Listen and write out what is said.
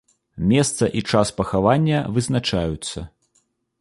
Месца і час пахавання вызначаюцца.